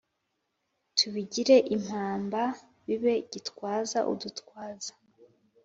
tubigire impamba bibe gitwaza udutwaza .